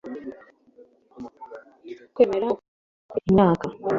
kwemera ukuri yamaze imyaka